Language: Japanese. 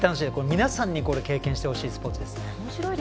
皆さんに経験してほしいスポーツです。